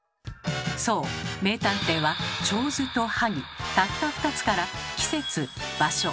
そう名探偵は手水と萩たった２つから季節場所